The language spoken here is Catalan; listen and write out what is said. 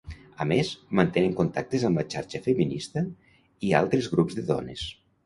A més, mantenen contactes amb la Xarxa Feminista i altres grups de dones.